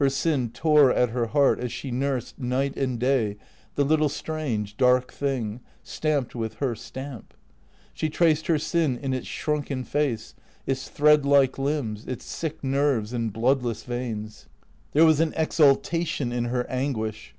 Her sin tore at her lieart as she nursed, night and day, the little strange, dark thing, stamped with her stamp. She traced her sin in its shrunken face, its thread like limbs, its sick nerves and blood less veins. There was an exaltation in her anguish.